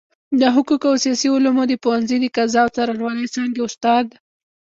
د حقوقو او سياسي علومو د پوهنځۍ د قضاء او څارنوالۍ څانګي استاد